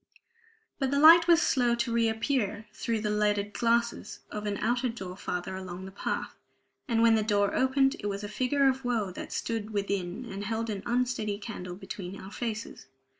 But the light was slow to reappear through the leaded glasses of an outer door farther along the path. And when the door opened, it was a figure of woe that stood within and held an unsteady candle between our faces.